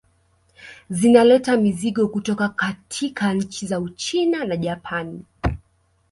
Zinaleta mizigo kutoka katika nchi za Uchina na Japani